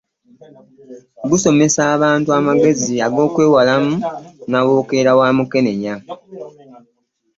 Gusomesa abantu amagezi ag'okwewalamu nnawookera wa mukenenya.